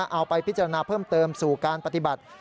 เอาไปพิจารณาเพิ่มเติมสู่การปฏิบัติ